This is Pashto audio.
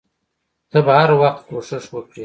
ته به هر وخت کوښښ وکړې.